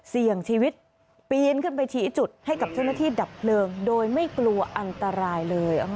เสี่ยงชีวิตปีนขึ้นไปชี้จุดให้กับเจ้าหน้าที่ดับเพลิงโดยไม่กลัวอันตรายเลย